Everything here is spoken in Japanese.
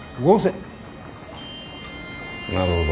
なるほど。